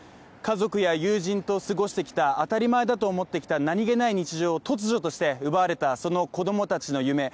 家族や友人と過ごしてきた当たり前だと思ってきた何気ない日常を突如として奪われた、その子供たちの夢。